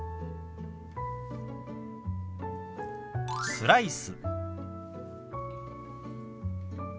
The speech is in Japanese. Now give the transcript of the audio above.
「スライス」。